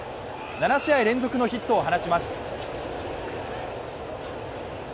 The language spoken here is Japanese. ７試合連続のヒットを放ちます。